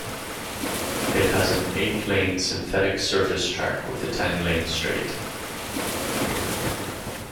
It has an eight-lane synthetic surface track with a ten lane straight.